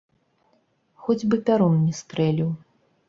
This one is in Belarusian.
Хоць бы пярун не стрэліў!